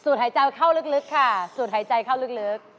หายใจเข้าลึกค่ะสูดหายใจเข้าลึก